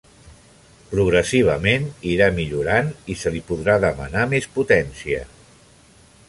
Progressivament ira millorant i se li podrà demanar més potència.